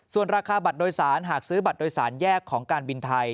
ส่วนราคาบัตรโดยสารหากซื้อบัตรโดยสารแยกของการบินไทย